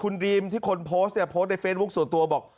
คุณดรีมที่คนโพสต์เนี่ยโพสต์ในเฟซบุ๊คส่วนตัวบอก